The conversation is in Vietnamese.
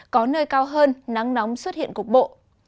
có nơi cao hơn nắng nóng xuất hiện cục bộ